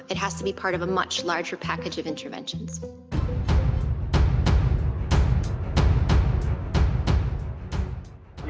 ini harus menjadi bagian dari paket intervensi yang lebih besar